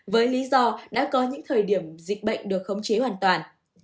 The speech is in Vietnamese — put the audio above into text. với lý do đã có những thời điểm dịch bệnh được khống chế hoàn toàn